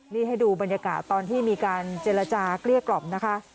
นี่ให้ดูบรรยากาศตอนที่มีการเจรจาเกลี้ยกล่อมนะคะ